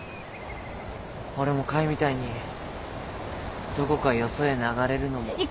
俺もカイみたいにどこかよそへ流れるのも。